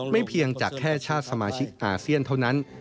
เพียงจากแค่ชาติสมาชิกอาเซียนเท่านั้น